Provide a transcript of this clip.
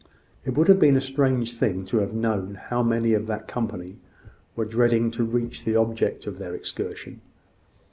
It would have been a strange thing to have known how many of that company were dreading to reach the object of their excursion.